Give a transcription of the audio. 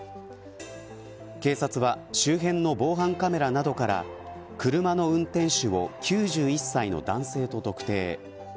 警察は周辺の防犯カメラなどから車の運転手を９１歳の男性と特定。